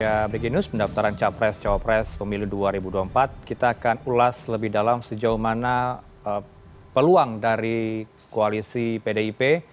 ya breaking news pendaftaran capres cawapres pemilu dua ribu dua puluh empat kita akan ulas lebih dalam sejauh mana peluang dari koalisi pdip